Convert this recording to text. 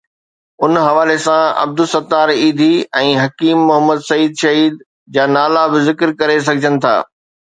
ان حوالي سان عبدالستار ايڌي ۽ حڪيم محمد سعيد شهيد جا نالا به ذڪر ڪري سگهجن ٿا.